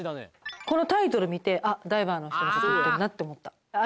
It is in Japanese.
このタイトル見てダイバーの人のこと言ってるなって思ったああ